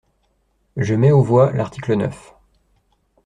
Je mets aux voix l’article neuf.